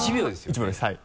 １秒ですはい。